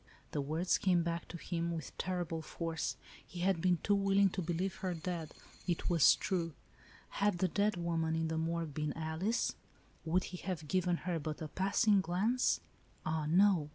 The words came back to him, with terrible force. He had been too willing to believe her dead. It was true. Had the dead woman, in the morgue, been Alice, would he have given her but' a pass ing glance ? Ah, no.